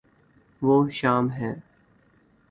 وہ شام ہے